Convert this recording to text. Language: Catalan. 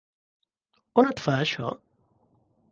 On et fa això?